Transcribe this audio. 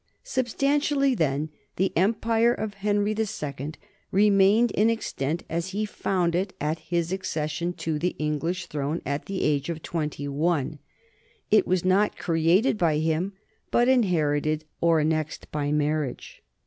Substantially, then, the empire of Henry II remained in extent as he found it at his accession to the English throne at the age of twenty one; it was not created by him but inherited or annexed by marriage.